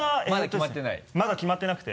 まだ決まってない？